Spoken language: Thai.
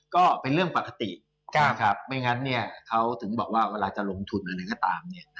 ก็เป็นเรื่องปกติไม่งั้นเขาถึงบอกว่าเวลาจะลงทุนหรืออะไรก็ตาม